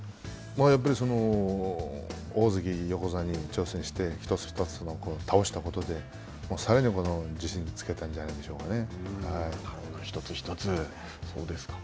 やっぱり大関、横綱に挑戦して、一つ一つ倒したことでさらに自信をつけたんじゃないで一つ一つ、そうですか。